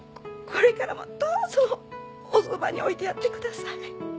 これからもどうぞおそばに置いてやってください。